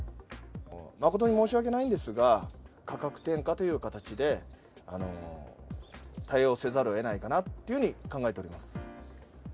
誠に申し訳ないんですが、価格転嫁という形で、対応せざるをえないかなというふうに考えております。